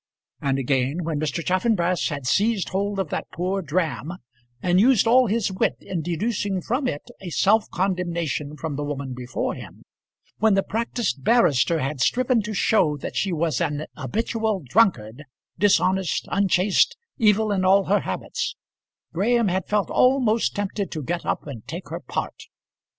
And again, when Mr. Chaffanbrass had seized hold of that poor dram, and used all his wit in deducing from it a self condemnation from the woman before him; when the practised barrister had striven to show that she was an habitual drunkard, dishonest, unchaste, evil in all her habits, Graham had felt almost tempted to get up and take her part.